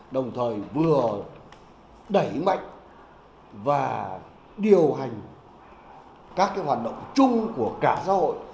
đồng thời vừa đẩy mạnh và điều hành các hoạt động chung của cả xã hội